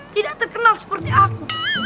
tidak terkenal seperti aku